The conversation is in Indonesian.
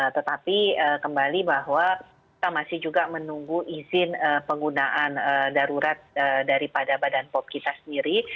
tetapi kembali bahwa kita masih juga menunggu izin penggunaan darurat daripada badan pop kita sendiri